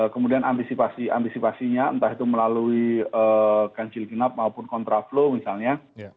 kemudian ambisipasinya entah itu melalui kancil kinap maupun kontraflow misalnya